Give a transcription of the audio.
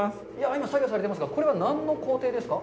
今、作業されていますが、これは何の工程ですか。